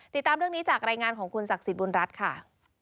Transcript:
ติดตามเรื่องนี้จากรายงานของคุณศักดิ์สิทธิบุญรัฐค่ะ